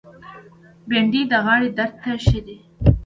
بېنډۍ د غاړې درد ته ښه ده